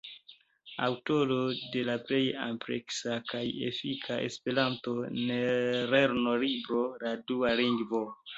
Aŭtoro de la plej ampleksa kaj efika esperanto-lernolibro, "La dua lingvo".